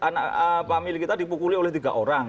anak anak pahamili kita dipukul oleh tiga orang